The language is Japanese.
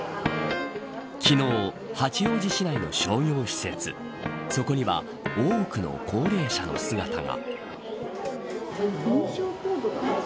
昨日、八王子市内の商業施設そこには多くの高齢者の姿が。